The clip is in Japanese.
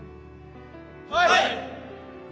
はい！